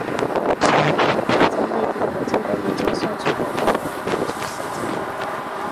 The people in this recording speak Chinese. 戈达德在液体火箭的研究上取得过很多开创性成果。